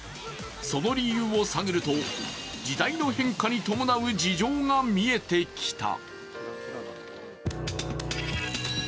その理由を探ると時代の変化に伴う事情が見えてきた。